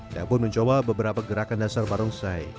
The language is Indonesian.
dapun mencoba beberapa gerakan dasar barongsai